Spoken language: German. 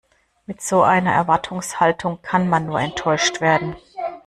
Mit so einer Erwartungshaltung kann man nur enttäuscht werden.